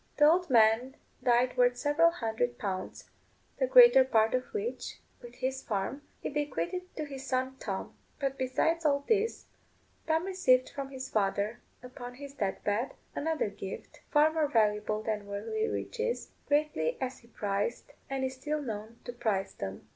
The old man died worth several hundred pounds, the greater part of which, with his farm, he bequeathed to his son Tom. But besides all this, Tom received from his father, upon his death bed, another gift, far more valuable than worldly riches, greatly as he prized and is still known to prize them.